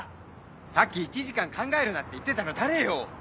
さっき「１時間考えるな」って言ってたの誰よ？